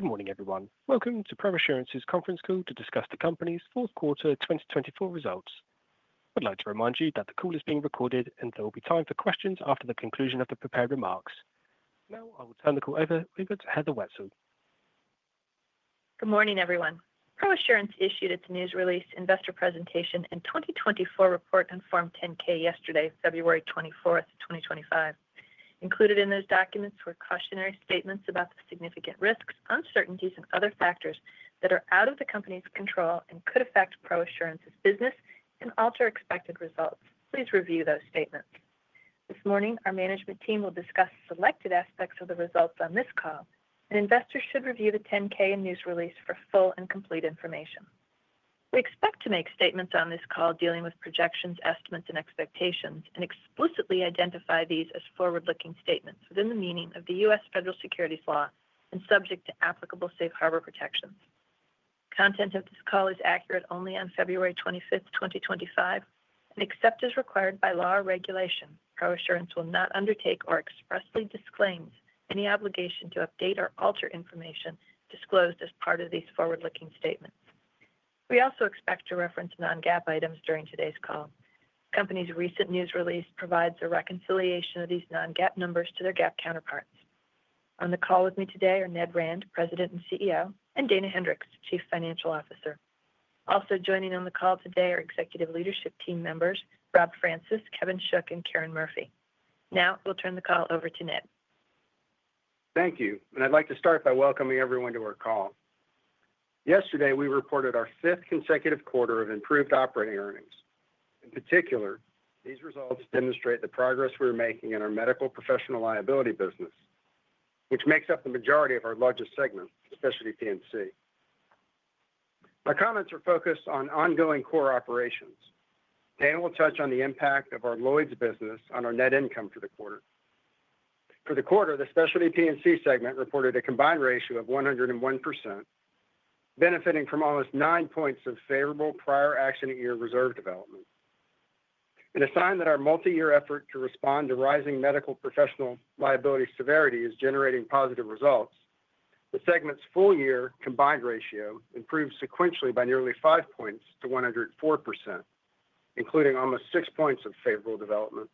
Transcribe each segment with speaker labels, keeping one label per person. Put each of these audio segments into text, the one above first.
Speaker 1: Good morning, everyone. Welcome to ProAssurance's Conference Call to discuss the Company's Fourth Quarter 2024 Results. I'd like to remind you that the call is being recorded, and there will be time for questions after the conclusion of the prepared remarks. Now, I will turn the call over to Heather Wietzel.
Speaker 2: Good morning, everyone. ProAssurance issued its news release, investor presentation, and 2024 report on Form 10-K yesterday, February 24, 2025. Included in those documents were cautionary statements about the significant risks, uncertainties, and other factors that are out of the company's control and could affect ProAssurance's business and alter expected results. Please review those statements. This morning, our management team will discuss selected aspects of the results on this call, and investors should review the 10-K and news release for full and complete information. We expect to make statements on this call dealing with projections, estimates, and expectations, and explicitly identify these as forward-looking statements within the meaning of the U.S. federal securities law and subject to applicable safe harbor protections. Content of this call is accurate only on February 25, 2025, and except as required by law or regulation. ProAssurance will not undertake or expressly disclaim any obligation to update or alter information disclosed as part of these forward-looking statements. We also expect to reference non-GAAP items during today's call. The company's recent news release provides a reconciliation of these non-GAAP numbers to their GAAP counterparts. On the call with me today are Ned Rand, President and CEO, and Dana Hendricks, Chief Financial Officer. Also joining on the call today are executive leadership team members Rob Francis, Kevin Shook, and Karen Murphy. Now, we'll turn the call over to Ned.
Speaker 3: Thank you, and I'd like to start by welcoming everyone to our call. Yesterday, we reported our fifth consecutive quarter of improved operating earnings. In particular, these results demonstrate the progress we're making in our medical professional liability business, which makes up the majority of our largest segment, Specialty P&C. My comments are focused on ongoing core operations. Dana will touch on the impact of our Lloyd's business on our net income for the quarter. For the quarter, the Specialty P&C segment reported a combined ratio of 101%, benefiting from almost nine points of favorable prior accident-year reserve development. In a sign that our multi-year effort to respond to rising medical professional liability severity is generating positive results, the segment's full-year combined ratio improved sequentially by nearly five points to 104%, including almost six points of favorable development.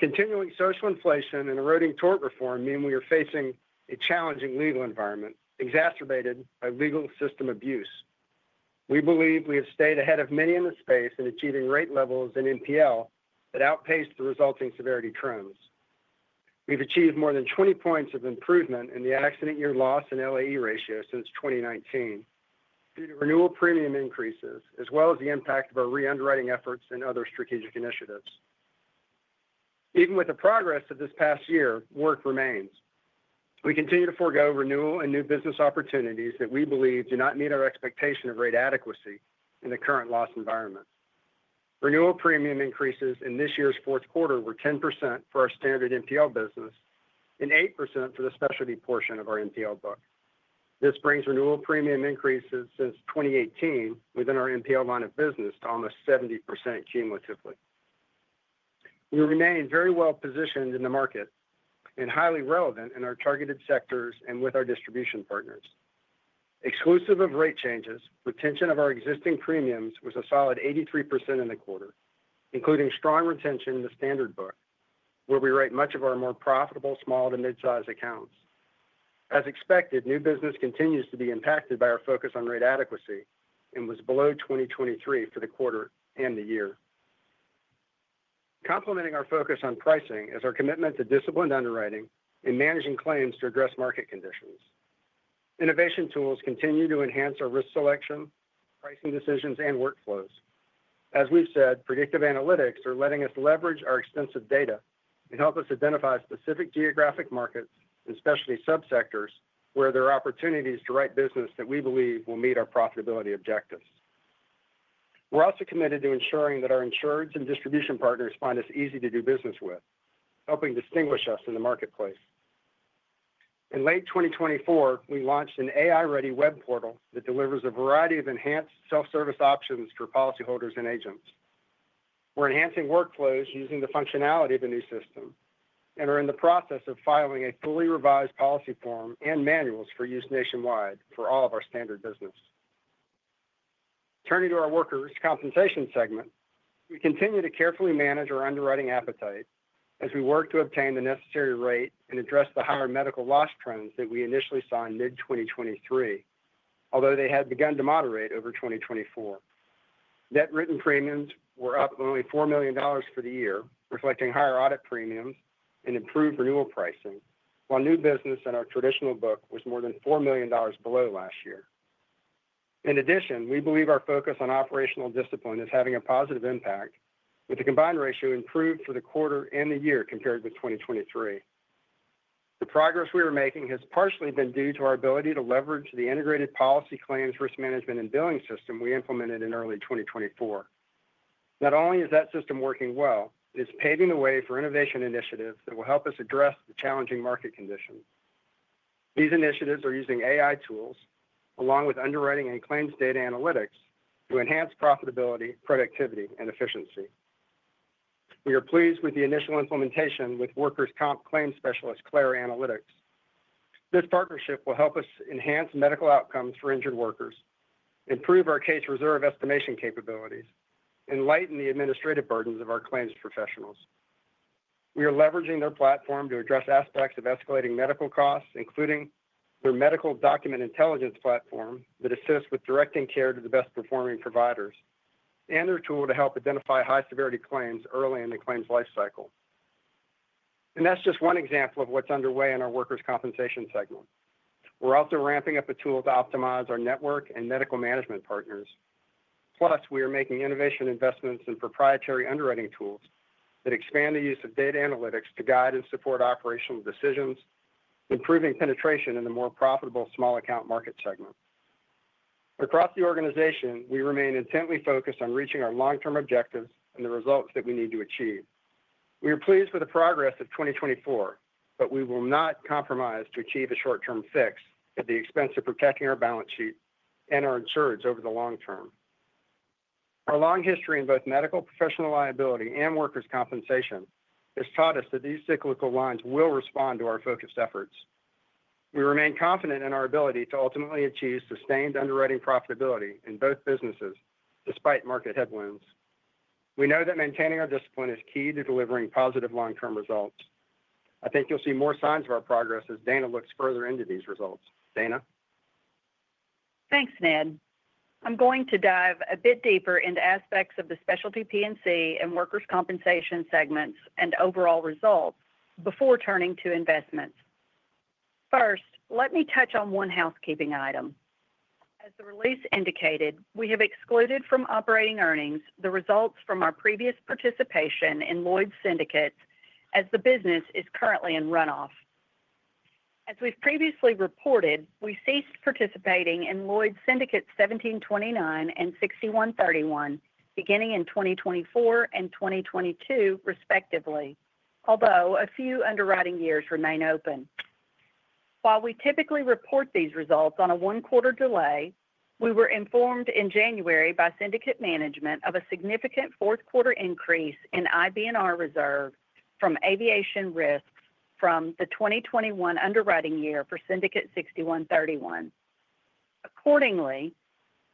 Speaker 3: Continuing social inflation and eroding tort reform mean we are facing a challenging legal environment exacerbated by legal system abuse. We believe we have stayed ahead of many in the space in achieving rate levels and MPL that outpaced the resulting severity trends. We've achieved more than 20 points of improvement in the accident-year loss and LAE ratio since 2019 due to renewal premium increases, as well as the impact of our re-underwriting efforts and other strategic initiatives. Even with the progress of this past year, work remains. We continue to forego renewal and new business opportunities that we believe do not meet our expectation of rate adequacy in the current loss environment. Renewal premium increases in this year's fourth quarter were 10% for our standard MPL business and 8% for the specialty portion of our MPL book. This brings renewal premium increases since 2018 within our MPL line of business to almost 70% cumulatively. We remain very well positioned in the market and highly relevant in our targeted sectors and with our distribution partners. Exclusive of rate changes, retention of our existing premiums was a solid 83% in the quarter, including strong retention in the standard book, where we write much of our more profitable small to mid-size accounts. As expected, new business continues to be impacted by our focus on rate adequacy and was below 2023 for the quarter and the year. Complementing our focus on pricing is our commitment to disciplined underwriting and managing claims to address market conditions. Innovation tools continue to enhance our risk selection, pricing decisions, and workflows. As we've said, predictive analytics are letting us leverage our extensive data and help us identify specific geographic markets and specialty subsectors where there are opportunities to write business that we believe will meet our profitability objectives. We're also committed to ensuring that our insureds and distribution partners find us easy to do business with, helping distinguish us in the marketplace. In late 2024, we launched an AI-ready web portal that delivers a variety of enhanced self-service options for policyholders and agents. We're enhancing workflows using the functionality of the new system and are in the process of filing a fully revised policy form and manuals for use nationwide for all of our standard business. Turning to our Workers' Compensation segment, we continue to carefully manage our underwriting appetite as we work to obtain the necessary rate and address the higher medical loss trends that we initially saw in mid-2023, although they had begun to moderate over 2024. Net written premiums were up only $4 million for the year, reflecting higher audit premiums and improved renewal pricing, while new business in our traditional book was more than $4 million below last year. In addition, we believe our focus on operational discipline is having a positive impact, with the combined ratio improved for the quarter and the year compared with 2023. The progress we are making has partially been due to our ability to leverage the integrated policy claims risk management and billing system we implemented in early 2024. Not only is that system working well, it is paving the way for innovation initiatives that will help us address the challenging market conditions. These initiatives are using AI tools along with underwriting and claims data analytics to enhance profitability, productivity, and efficiency. We are pleased with the initial implementation with workers' comp claims specialist CLARA Analytics. This partnership will help us enhance medical outcomes for injured workers, improve our case reserve estimation capabilities, and lighten the administrative burdens of our claims professionals. We are leveraging their platform to address aspects of escalating medical costs, including their medical document intelligence platform that assists with directing care to the best-performing providers and their tool to help identify high-severity claims early in the claims lifecycle. And that's just one example of what's underway in our Workers' Compensation segment. We're also ramping up a tool to optimize our network and medical management partners. Plus, we are making innovation investments in proprietary underwriting tools that expand the use of data analytics to guide and support operational decisions, improving penetration in the more profitable small-account market segment. Across the organization, we remain intently focused on reaching our long-term objectives and the results that we need to achieve. We are pleased with the progress of 2024, but we will not compromise to achieve a short-term fix at the expense of protecting our balance sheet and our insureds over the long term. Our long history in both medical professional liability and Workers' Compensation has taught us that these cyclical lines will respond to our focused efforts. We remain confident in our ability to ultimately achieve sustained underwriting profitability in both businesses despite market headwinds. We know that maintaining our discipline is key to delivering positive long-term results. I think you'll see more signs of our progress as Dana looks further into these results. Dana?
Speaker 4: Thanks, Ned. I'm going to dive a bit deeper into aspects of the Specialty P&C and Workers' Compensation segments and overall results before turning to investments. First, let me touch on one housekeeping item. As the release indicated, we have excluded from operating earnings the results from our previous participation in Lloyd's Syndicates as the business is currently in runoff. As we've previously reported, we ceased participating in Lloyd's Syndicates 1729 and 6131 beginning in 2024 and 2022, respectively, although a few underwriting years remain open. While we typically report these results on a one-quarter delay, we were informed in January by syndicate management of a significant fourth-quarter increase in IBNR reserve from aviation risks from the 2021 underwriting year for Syndicate 6131. Accordingly,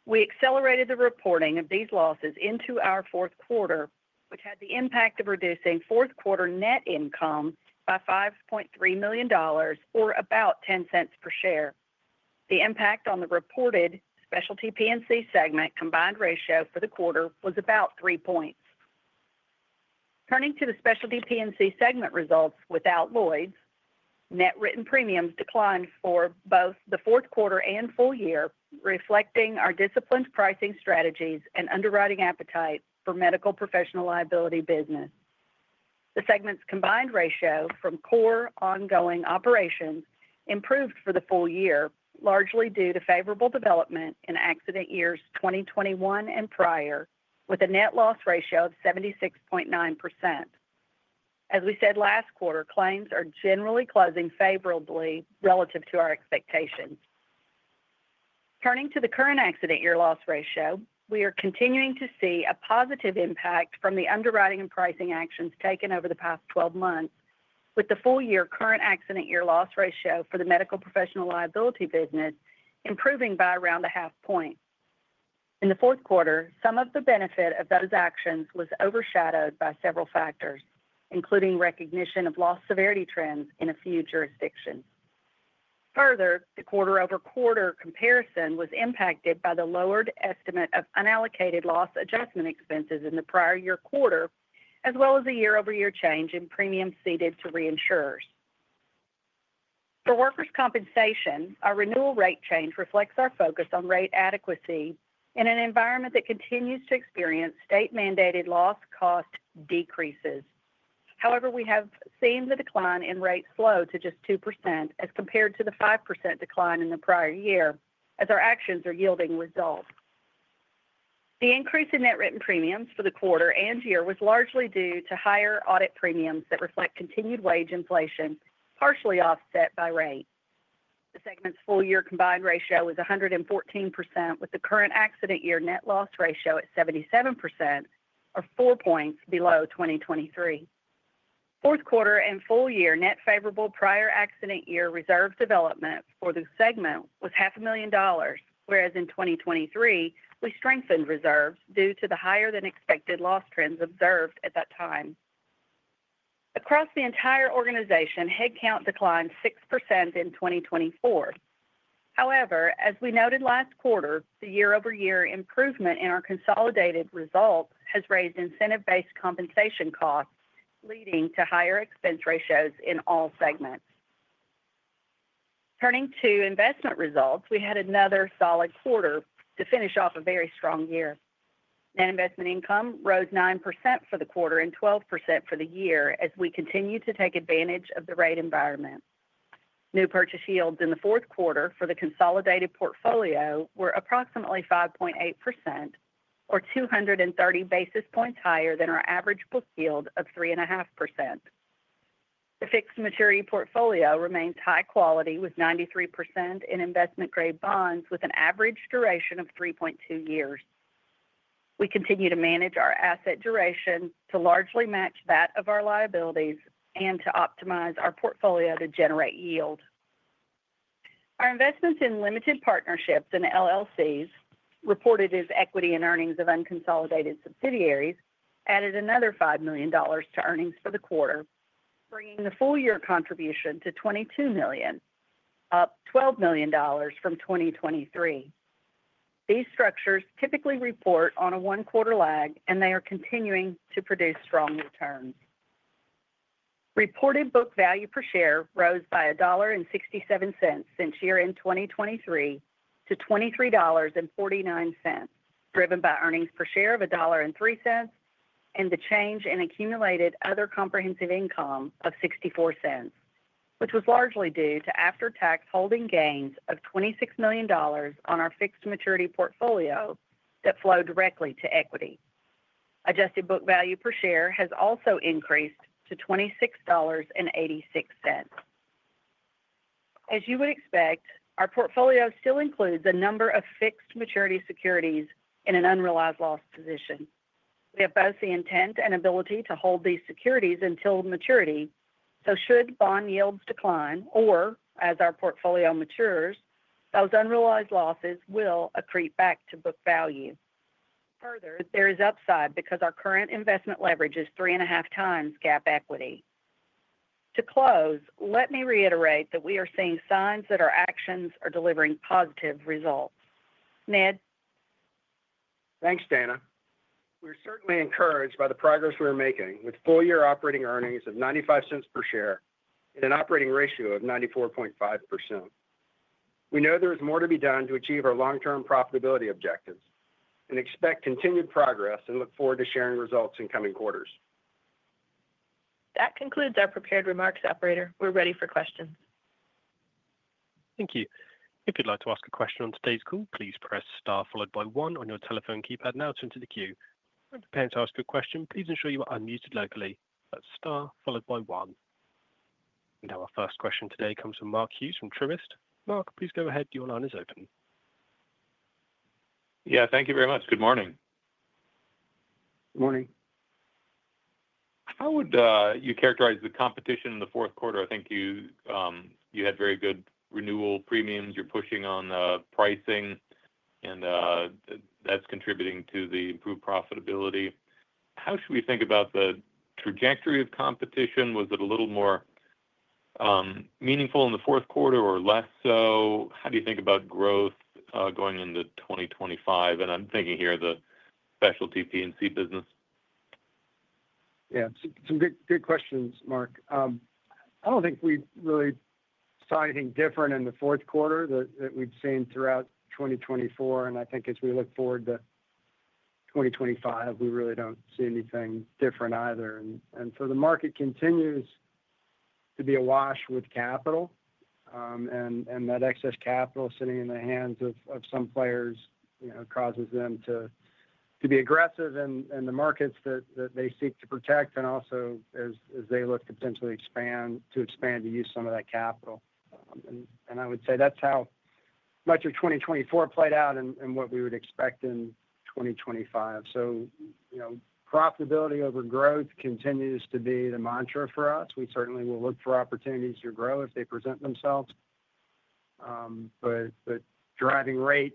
Speaker 4: we accelerated the reporting of these losses into our fourth quarter, which had the impact of reducing fourth-quarter net income by $5.3 million, or about $0.10 per share. The impact on the reported Specialty P&C segment combined ratio for the quarter was about three points. Turning to the Specialty P&C segment results without Lloyd's, net written premiums declined for both the fourth quarter and full year, reflecting our disciplined pricing strategies and underwriting appetite for medical professional liability business. The segment's combined ratio from core ongoing operations improved for the full year, largely due to favorable development in accident years 2021 and prior, with a net loss ratio of 76.9%. As we said last quarter, claims are generally closing favorably relative to our expectations. Turning to the current accident-year loss ratio, we are continuing to see a positive impact from the underwriting and pricing actions taken over the past 12 months, with the full-year current accident-year loss ratio for the medical professional liability business improving by around a half point. In the fourth quarter, some of the benefit of those actions was overshadowed by several factors, including recognition of loss severity trends in a few jurisdictions. Further, the quarter-over-quarter comparison was impacted by the lowered estimate of unallocated loss adjustment expenses in the prior year quarter, as well as the year-over-year change in premiums ceded to reinsurers. For workers' compensation, our renewal rate change reflects our focus on rate adequacy in an environment that continues to experience state-mandated loss cost decreases. However, we have seen the decline in rates slow to just 2% as compared to the 5% decline in the prior year, as our actions are yielding results. The increase in net written premiums for the quarter and year was largely due to higher audit premiums that reflect continued wage inflation, partially offset by rate. The segment's full-year combined ratio is 114%, with the current accident-year net loss ratio at 77%, or four points below 2023. Fourth quarter and full-year net favorable prior accident-year reserve development for the segment was $500,000, whereas in 2023, we strengthened reserves due to the higher-than-expected loss trends observed at that time. Across the entire organization, headcount declined 6% in 2024. However, as we noted last quarter, the year-over-year improvement in our consolidated results has raised incentive-based compensation costs, leading to higher expense ratios in all segments. Turning to investment results, we had another solid quarter to finish off a very strong year. Net investment income rose 9% for the quarter and 12% for the year as we continued to take advantage of the rate environment. New purchase yields in the fourth quarter for the consolidated portfolio were approximately 5.8%, or 230 basis points higher than our average book yield of 3.5%. The fixed maturity portfolio remains high quality, with 93% in investment-grade bonds with an average duration of 3.2 years. We continue to manage our asset duration to largely match that of our liabilities and to optimize our portfolio to generate yield. Our investments in limited partnerships and LLCs, reported as equity in earnings of unconsolidated subsidiaries, added another $5 million to earnings for the quarter, bringing the full-year contribution to $22 million, up $12 million from 2023. These structures typically report on a one-quarter lag, and they are continuing to produce strong returns. Reported book value per share rose by $1.67 since year-end 2023 to $23.49, driven by earnings per share of $1.03 and the change in accumulated other comprehensive income of $0.64, which was largely due to after-tax holding gains of $26 million on our fixed maturity portfolio that flowed directly to equity. Adjusted book value per share has also increased to $26.86. As you would expect, our portfolio still includes a number of fixed maturity securities in an unrealized loss position. We have both the intent and ability to hold these securities until maturity, so should bond yields decline or as our portfolio matures, those unrealized losses will accrete back to book value. Further, there is upside because our current investment leverage is three and a half times GAAP equity. To close, let me reiterate that we are seeing signs that our actions are delivering positive results. Ned?
Speaker 3: Thanks, Dana. We're certainly encouraged by the progress we're making with full-year operating earnings of $0.95 per share and an operating ratio of 94.5%. We know there is more to be done to achieve our long-term profitability objectives and expect continued progress and look forward to sharing results in coming quarters.
Speaker 4: That concludes our prepared remarks, operator. We're ready for questions.
Speaker 1: Thank you. If you'd like to ask a question on today's call, please press star followed by one on your telephone keypad now to enter the queue. For the participants to ask a question, please ensure you are unmuted locally. That's star followed by one. And our first question today comes from Mark Hughes from Truist. Mark, please go ahead. Your line is open.
Speaker 5: Yeah, thank you very much. Good morning.
Speaker 3: Good morning.
Speaker 5: How would you characterize the competition in the fourth quarter? I think you had very good renewal premiums. You're pushing on pricing, and that's contributing to the improved profitability. How should we think about the trajectory of competition? Was it a little more meaningful in the fourth quarter or less so? How do you think about growth going into 2025, and I'm thinking here of the Specialty P&C business.
Speaker 3: Yeah, some good questions, Mark. I don't think we really saw anything different in the fourth quarter that we've seen throughout 2024. And I think as we look forward to 2025, we really don't see anything different either. And so the market continues to be awash with capital, and that excess capital sitting in the hands of some players causes them to be aggressive in the markets that they seek to protect and also as they look to potentially expand to use some of that capital. And I would say that's how much of 2024 played out and what we would expect in 2025. So profitability over growth continues to be the mantra for us. We certainly will look for opportunities to grow if they present themselves. But driving rate,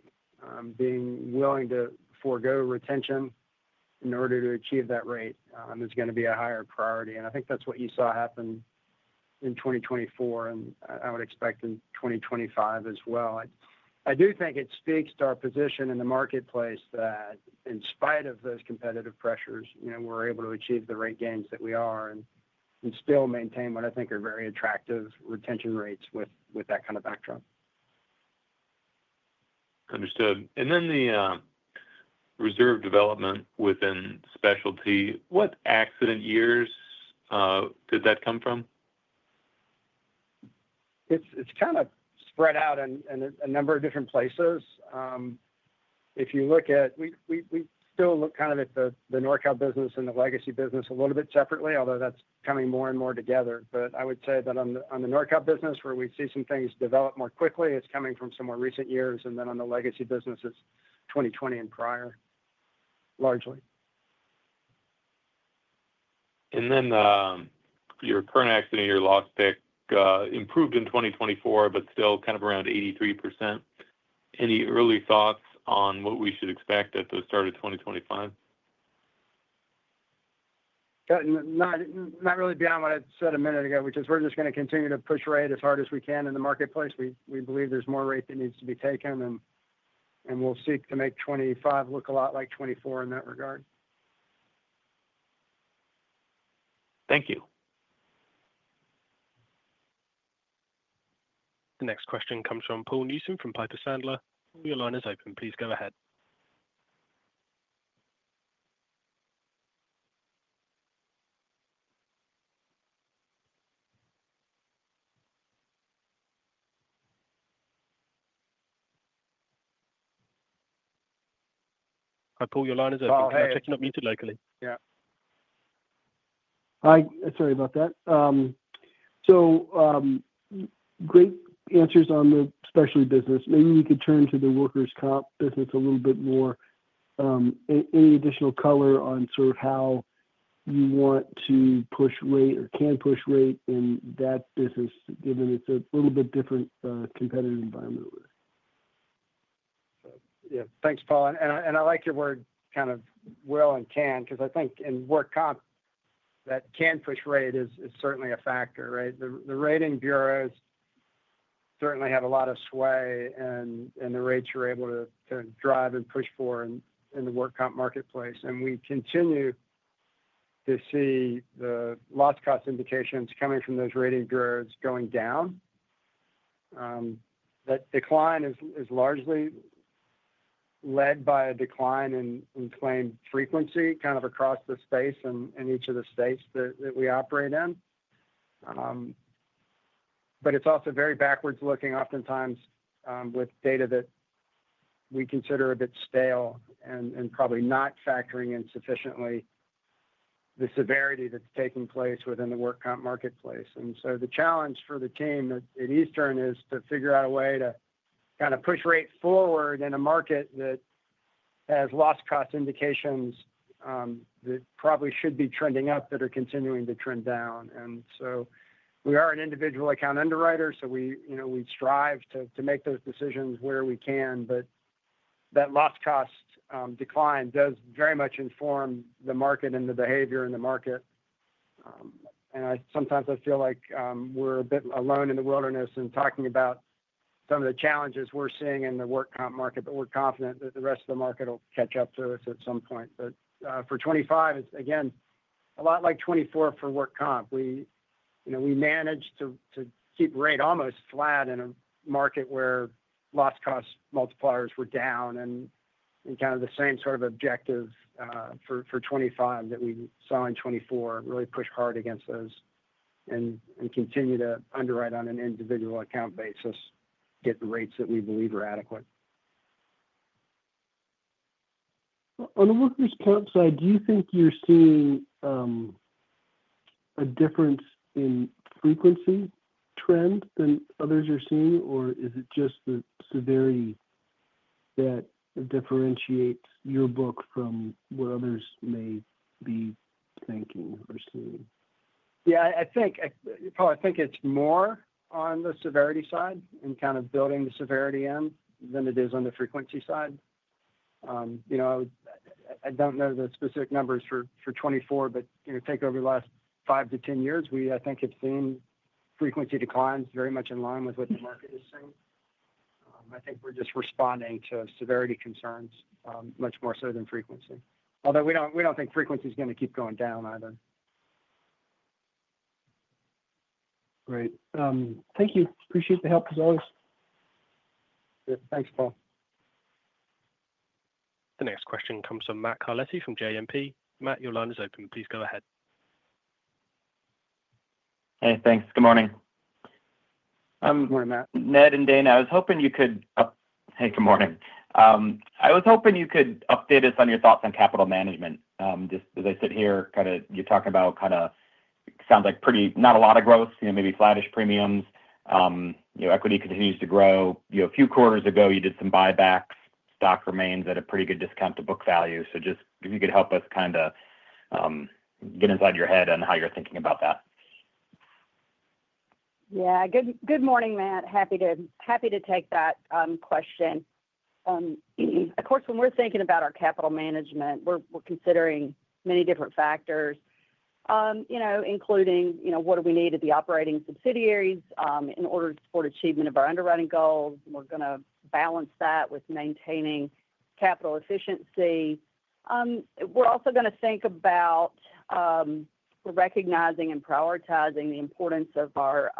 Speaker 3: being willing to forego retention in order to achieve that rate is going to be a higher priority. I think that's what you saw happen in 2024, and I would expect in 2025 as well. I do think it speaks to our position in the marketplace that in spite of those competitive pressures, we're able to achieve the rate gains that we are and still maintain what I think are very attractive retention rates with that kind of backdrop.
Speaker 5: Understood. And then the reserve development within specialty, what accident years did that come from?
Speaker 3: It's kind of spread out in a number of different places. If you look at, we still look kind of at the NORCAL business and the legacy business a little bit separately, although that's coming more and more together. But I would say that on the NORCAL business, where we see some things develop more quickly, it's coming from some more recent years. And then on the legacy business, it's 2020 and prior, largely.
Speaker 5: And then your current accident-year loss pick improved in 2024, but still kind of around 83%. Any early thoughts on what we should expect at the start of 2025?
Speaker 3: Not really beyond what I said a minute ago, which is we're just going to continue to push rate as hard as we can in the marketplace. We believe there's more rate that needs to be taken, and we'll seek to make 2025 look a lot like 2024 in that regard.
Speaker 5: Thank you.
Speaker 1: The next question comes from Paul Newsome from Piper Sandler. Your line is open. Please go ahead. Paul, your line is open. Make sure you're not muted locally.
Speaker 6: Yeah. Hi. Sorry about that. So great answers on the specialty business. Maybe we could turn to the workers' comp business a little bit more. Any additional color on sort of how you want to push rate or can push rate in that business, given it's a little bit different competitive environment over there?
Speaker 3: Yeah. Thanks, Paul. And I like your word kind of will and can because I think in work comp that can push rate is certainly a factor, right? The rating bureaus certainly have a lot of sway in the rates you're able to drive and push for in the work comp marketplace. And we continue to see the loss cost implications coming from those rating bureaus going down. That decline is largely led by a decline in claim frequency kind of across the space in each of the states that we operate in. But it's also very backward-looking, oftentimes, with data that we consider a bit stale and probably not factoring in sufficiently the severity that's taking place within the work comp marketplace. The challenge for the team at Eastern is to figure out a way to kind of push rate forward in a market that has loss cost implications that probably should be trending up that are continuing to trend down. We are an individual account underwriter, so we strive to make those decisions where we can. That loss cost decline does very much inform the market and the behavior in the market. Sometimes I feel like we're a bit alone in the wilderness in talking about some of the challenges we're seeing in the work comp market, but we're confident that the rest of the market will catch up to us at some point. For 2025, it's, again, a lot like 2024 for work comp. We managed to keep rate almost flat in a market where loss cost multipliers were down, and kind of the same sort of objective for 2025 that we saw in 2024, really push hard against those and continue to underwrite on an individual account basis, getting rates that we believe are adequate.
Speaker 6: On the workers' comp side, do you think you're seeing a difference in frequency trend than others are seeing, or is it just the severity that differentiates your book from what others may be thinking or seeing?
Speaker 3: Yeah, I think, Paul, I think it's more on the severity side and kind of building the severity in than it is on the frequency side. I don't know the specific numbers for 2024, but take over the last 5 - 10 years, we, I think, have seen frequency declines very much in line with what the market is seeing. I think we're just responding to severity concerns much more so than frequency. Although we don't think frequency is going to keep going down either.
Speaker 6: Great. Thank you. Appreciate the help as always.
Speaker 3: Thanks, Paul.
Speaker 1: The next question comes from Matt Carletti from JMP. Matt, your line is open. Please go ahead.
Speaker 7: Hey, thanks. Good morning.
Speaker 3: Good morning, Matt.
Speaker 7: Ned and Dana, hey, good morning. I was hoping you could update us on your thoughts on capital management. Just as I sit here, kind of you're talking about kind of sounds like pretty not a lot of growth, maybe flattish premiums. Equity continues to grow. A few quarters ago, you did some buybacks. Stock remains at a pretty good discount to book value. So just if you could help us kind of get inside your head on how you're thinking about that.
Speaker 4: Yeah. Good morning, Matt. Happy to take that question. Of course, when we're thinking about our capital management, we're considering many different factors, including what do we need at the operating subsidiaries in order to support achievement of our underwriting goals. We're going to balance that with maintaining capital efficiency. We're also going to think about recognizing and prioritizing the importance of our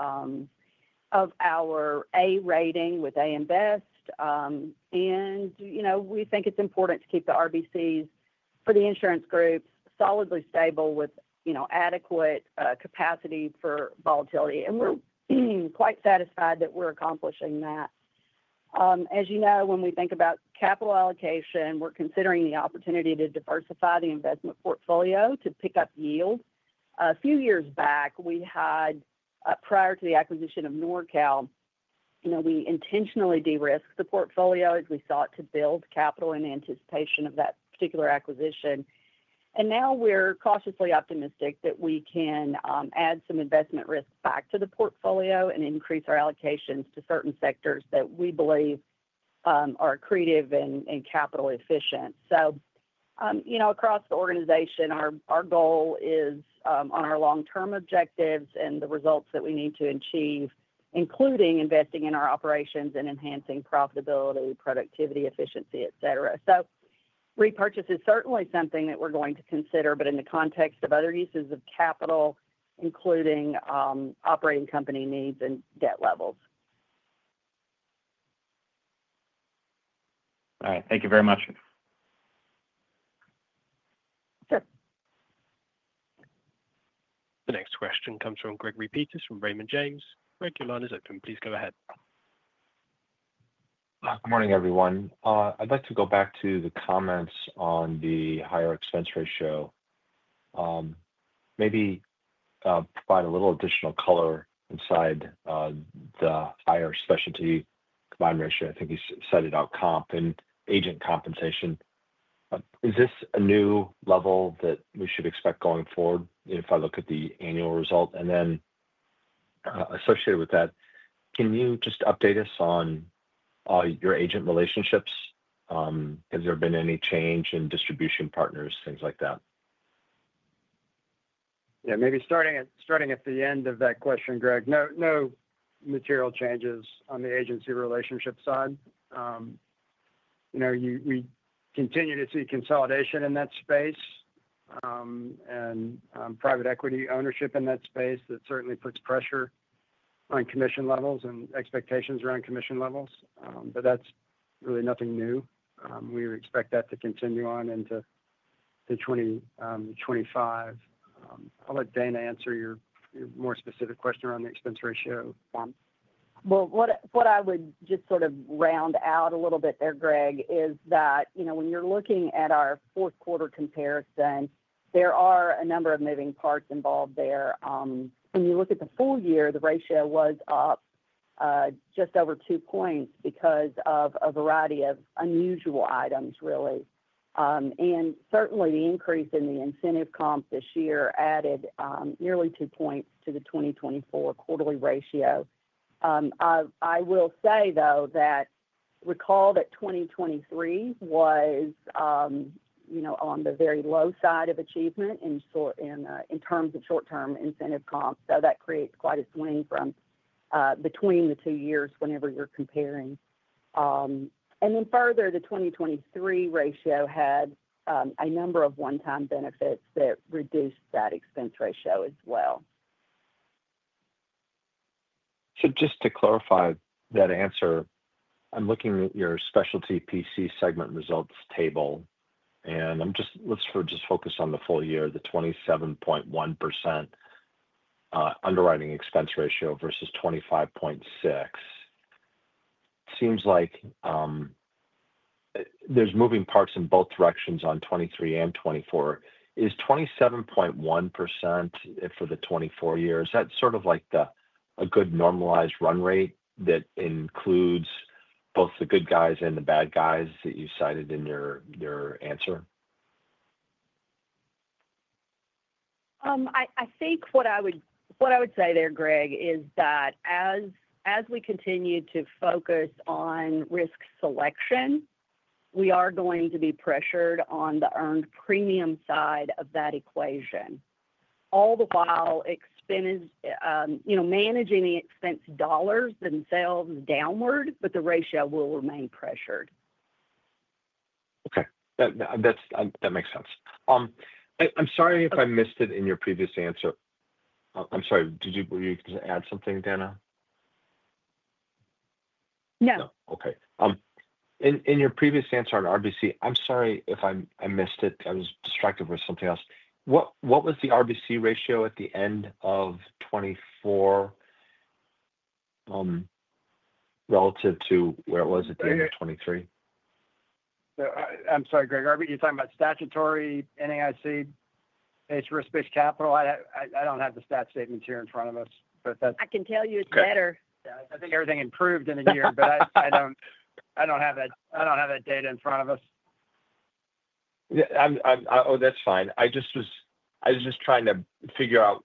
Speaker 4: A rating with AM Best. And we think it's important to keep the RBCs for the insurance groups solidly stable with adequate capacity for volatility. And we're quite satisfied that we're accomplishing that. As you know, when we think about capital allocation, we're considering the opportunity to diversify the investment portfolio to pick up yield. A few years back, we had, prior to the acquisition of NORCAL, we intentionally de-risked the portfolio as we sought to build capital in anticipation of that particular acquisition. Now we're cautiously optimistic that we can add some investment risk back to the portfolio and increase our allocations to certain sectors that we believe are accretive and capital efficient. Across the organization, our goal is on our long-term objectives and the results that we need to achieve, including investing in our operations and enhancing profitability, productivity, efficiency, etc. Repurchase is certainly something that we're going to consider, but in the context of other uses of capital, including operating company needs and debt levels.
Speaker 7: All right. Thank you very much.
Speaker 4: Sure.
Speaker 1: The next question comes from Gregory Peters from Raymond James. Greg, your line is open. Please go ahead.
Speaker 8: Good morning, everyone. I'd like to go back to the comments on the higher expense ratio. Maybe provide a little additional color inside the higher specialty combined ratio. I think you cited out comp and agent compensation. Is this a new level that we should expect going forward if I look at the annual result? And then associated with that, can you just update us on your agent relationships? Has there been any change in distribution partners, things like that?
Speaker 3: Yeah. Maybe starting at the end of that question, Greg, no material changes on the agency relationship side. We continue to see consolidation in that space and private equity ownership in that space that certainly puts pressure on commission levels and expectations around commission levels. But that's really nothing new. We expect that to continue on into 2025. I'll let Dana answer your more specific question around the expense ratio.
Speaker 4: Well, what I would just sort of round out a little bit there, Greg, is that when you're looking at our fourth quarter comparison, there are a number of moving parts involved there. When you look at the full year, the ratio was up just over two points because of a variety of unusual items, really. And certainly, the increase in the incentive comp this year added nearly two points to the 2024 quarterly ratio. I will say, though, that recall that 2023 was on the very low side of achievement in terms of short-term incentive comp. So that creates quite a swing between the two years whenever you're comparing. And then further, the 2023 ratio had a number of one-time benefits that reduced that expense ratio as well.
Speaker 8: So just to clarify that answer, I'm looking at your Specialty P&C segment results table, and let's just focus on the full year, the 27.1% underwriting expense ratio versus 25.6%. Seems like there's moving parts in both directions on 2023 and 2024. Is 27.1% for the 2024 year? Is that sort of like a good normalized run rate that includes both the good guys and the bad guys that you cited in your answer?
Speaker 4: I think what I would say there, Greg, is that as we continue to focus on risk selection, we are going to be pressured on the earned premium side of that equation. All the while, managing the expense dollars themselves downward, but the ratio will remain pressured.
Speaker 8: Okay. That makes sense. I'm sorry if I missed it in your previous answer. I'm sorry. Did you just add something, Dana?
Speaker 4: No.
Speaker 8: No. Okay. In your previous answer on RBC, I'm sorry if I missed it. I was distracted with something else. What was the RBC ratio at the end of 2024 relative to where it was at the end of 2023?
Speaker 3: I'm sorry, Greg. Are you talking about statutory NAIC-based risk-based capital? I don't have the stat statements here in front of us, but that's.
Speaker 4: I can tell you it's better.
Speaker 3: Yeah. I think everything improved in a year, but I don't have that data in front of us.
Speaker 8: Oh, that's fine. I was just trying to figure out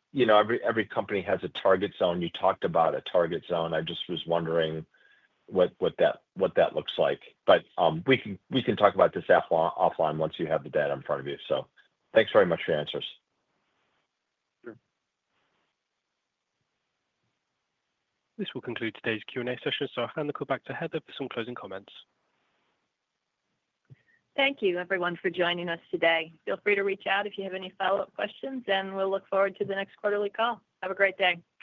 Speaker 8: every company has a target zone. You talked about a target zone. I just was wondering what that looks like. But we can talk about this offline once you have the data in front of you. So thanks very much for your answers.
Speaker 3: Sure.
Speaker 1: This will conclude today's Q&A session. So I'll hand the call back to Heather for some closing comments.
Speaker 2: Thank you, everyone, for joining us today. Feel free to reach out if you have any follow-up questions, and we'll look forward to the next quarterly call. Have a great day.